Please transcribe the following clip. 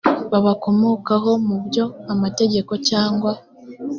babakomokaho mu byo amategeko cyangwa